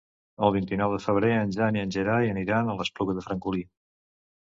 El vint-i-nou de febrer en Jan i en Gerai aniran a l'Espluga de Francolí.